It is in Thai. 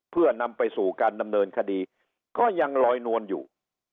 เพื่อนำไปสู่การดำเนินคดีก็ยังลอยนวลอยู่